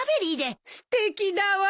すてきだわ。